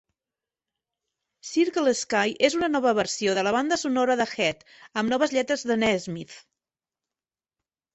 "Circle Sky" és una nova versió de la banda sonora de "Head", amb noves lletres de Nesmith.